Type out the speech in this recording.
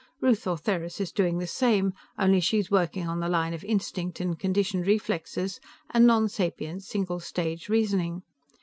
Ruth Ortheris is doing the same, only she's working on the line of instinct and conditioned reflexes and nonsapient, single stage reasoning.